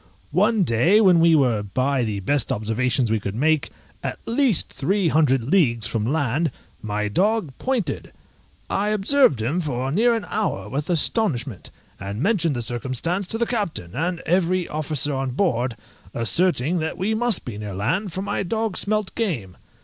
One day when we were, by the best observations we could make, at least three hundred leagues from land, my dog pointed; I observed him for near an hour with astonishment, and mentioned the circumstance to the captain and every officer on board, asserting that we must be near land, for my dog smelt game.